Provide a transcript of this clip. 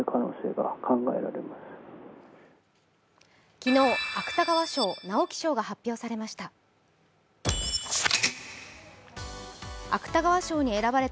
昨日、芥川賞・直木賞が発表されました。